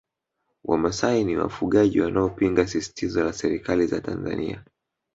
Wamasai ni wafugaji wanaopinga sisitizo la serikali za Tanzania